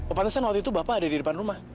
oh pantesan waktu itu bapak ada di depan rumah